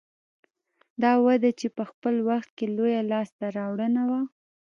دا وده چې په خپل وخت کې لویه لاسته راوړنه وه